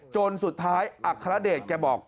จนสุดท้ายอัคคาระเดชจะบอก